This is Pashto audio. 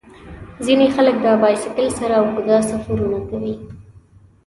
ځینې خلک د بایسکل سره اوږده سفرونه کوي.